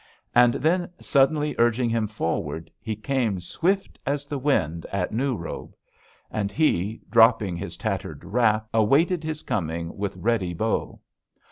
And then, suddenly urging him forward, he came swift as the wind at New Robe. And he, dropping his tattered wrap, awaited his coming with ready bow.